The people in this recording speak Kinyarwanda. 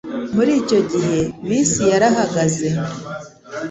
Muri icyo gihe, bisi yarahagaze.